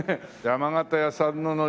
山形屋さんの海苔